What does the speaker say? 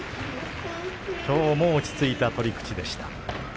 きょうも落ち着いた取り口でした。